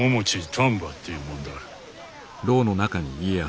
丹波っていうもんだ。